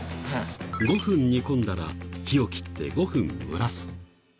５分煮込んだら、火を切って５分蒸らす。